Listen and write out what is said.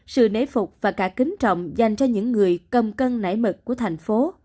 sự nể phục và cả kính trọng dành cho những người cầm cân nảy mực của thành phố